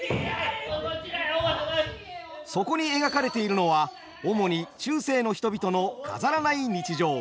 そこに描かれているのは主に中世の人々の飾らない日常。